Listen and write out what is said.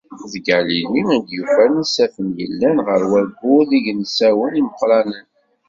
D Galili I d-yufan isaffen illan ɣef wayyur d yigensawen imeqqranen.